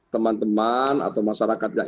teman teman atau masyarakat